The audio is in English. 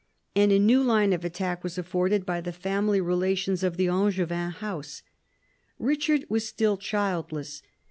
And a new line of attack was afforded by the family relations of the Angevin house. Eichard was still childless.